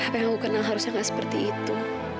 apa yang aku kenal harusnya nggak seperti itu